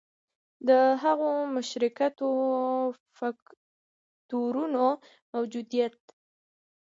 د هغو مشترکو فکټورونو موجودیت.